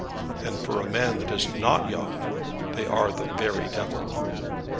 And for a man that is not young, they are the very devil!